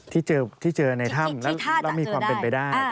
ที่เจอในถ้ำแล้วมีความเป็นไปได้